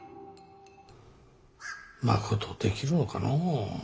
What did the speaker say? まことできるのかのう。